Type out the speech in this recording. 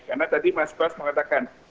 karena tadi mas bas mengatakan